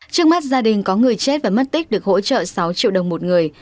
trước mắt gia đình có người chết và mất tích được hỗ trợ sáu triệu đồng một người